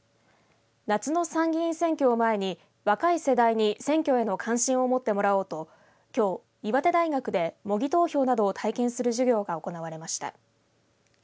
夏の参議院選挙を前に若い世代に選挙への関心を持ってもらおうと、きょう岩手大学で模擬投票などを体験する授業が行われました。